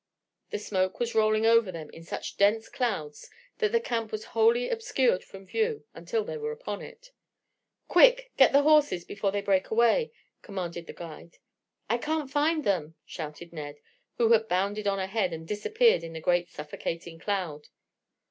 The smoke was rolling over them in such dense clouds that the camp was wholly obscured from view until they were upon it. "Quick! Get the horses before they break away!" commanded the guide. "I can't find them!" shouted Ned, who had bounded on ahead and disappeared in the great suffocating cloud.